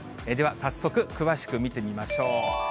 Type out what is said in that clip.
では早速、詳しく見てみましょう。